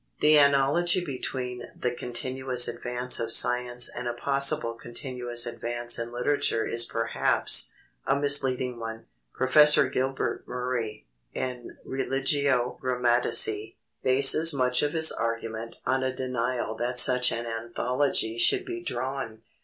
The analogy between the continuous advance of science and a possible continuous advance in literature is perhaps, a misleading one. Professor Gilbert Murray, in Religio Grammatici, bases much of his argument on a denial that such an analogy should be drawn.